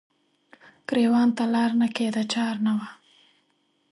ګریوان ته لار نه کیده چار نه وه